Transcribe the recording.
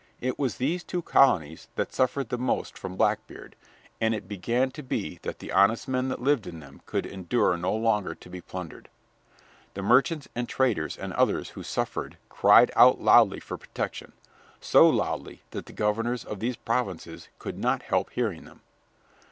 It was these two colonies that suffered the most from Blackbeard, and it began to be that the honest men that lived in them could endure no longer to be plundered. The merchants and traders and others who suffered cried out loudly for protection, so loudly that the governors of these provinces could not help hearing them.